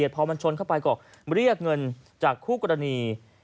พอมันชนเข้าไปก็เรียกเงินจากคู่กรณี